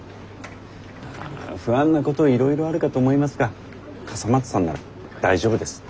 まあ不安なこといろいろあるかと思いますが笠松さんなら大丈夫です。